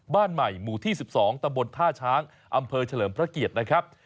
บ้านใหม่หมู่ที่๑๒ตำบลท่าช้างอำเภอเฉลิมพระเกียรตินะครับ